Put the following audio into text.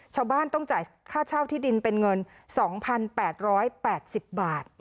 ชาวบ้านต้องจ่ายค่าเช่าที่ดินเป็นเงิน๒๘๘๐บาท